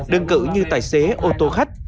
đơn cử như tài xế ô tô khách